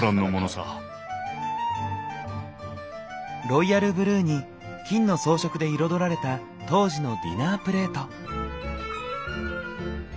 ロイヤルブルーに金の装飾で彩られた当時のディナープレート。